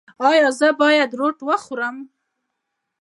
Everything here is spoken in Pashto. ایا زه باید روټ وخورم؟